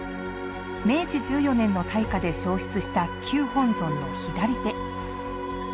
明治１４年の大火で焼失した旧本尊の左手。